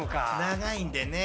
長いんでね。